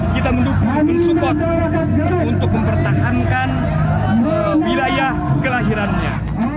kita mendukung mensupport untuk mempertahankan wilayah kelahirannya